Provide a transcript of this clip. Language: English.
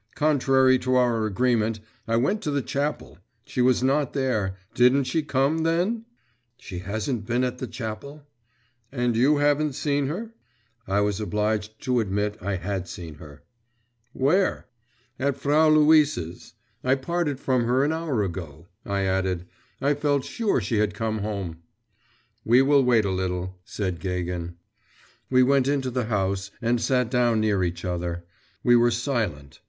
Contrary to our agreement, I went to the chapel; she was not there; didn't she come, then?' 'She hasn't been at the chapel?' 'And you haven't seen her?' I was obliged to admit I had seen her. 'Where?' 'At Frau Luise's. I parted from her an hour ago,' I added. 'I felt sure she had come home.' 'We will wait a little,' said Gagin. We went into the house and sat down near each other. We were silent.